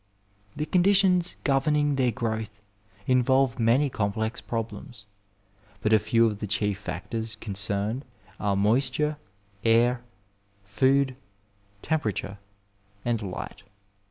The conditions governing their growth involve many complex problems, but a few of the chief factors concerned are moisture, air, food, temperature, and light.